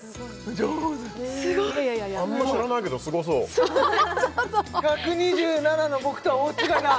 上手すごいあんま知らないけどすごそう１２７の僕とは大違いだあ